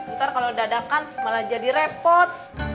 ntar kalau dadakan malah jadi repot